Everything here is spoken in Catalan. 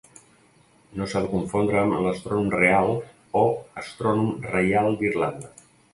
No s'ha de confondre amb l'Astrònom Real o Astrònom Reial d'Irlanda.